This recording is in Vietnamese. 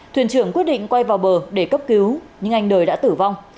thuyền trưởng quyết định quay vào bờ để cấp cứu nhưng anh đời đã tử vong